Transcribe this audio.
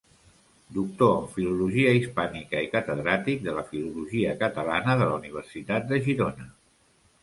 Doctor en Filologia Hispànica i catedràtic de Filologia Catalana de la Universitat de Girona.